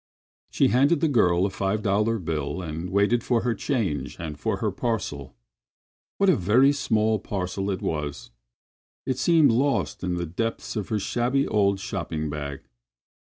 She handed the girl a five dollar bill and waited for her change and for her parcel. What a very small parcel it was! It seemed lost in the depths of her shabby old shopping bag.